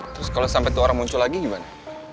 terus kalau sampai dua orang muncul lagi gimana